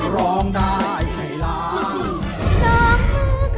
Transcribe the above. ร้องได้ให้ร้อง